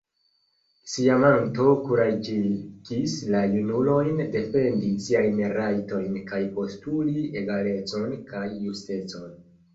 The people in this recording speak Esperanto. Siamanto kuraĝigis la junulojn defendi siajn rajtojn kaj postuli egalecon kaj justecon.